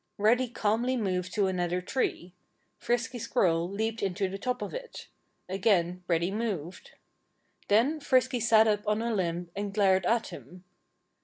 Reddy calmly moved to another tree. Frisky Squirrel leaped into the top of it. Again Reddy moved. Then Frisky sat up on a limb and glared at him.